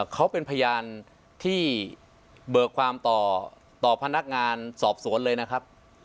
เขาเป็นพยานที่เบิกความต่อพนักงานสอบสวนเลยนะครับ